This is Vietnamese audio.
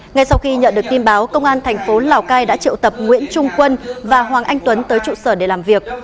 ngay sau khi nhận được tin báo công an thành phố lào cai đã triệu tập nguyễn trung quân và hoàng anh tuấn tới trụ sở để làm việc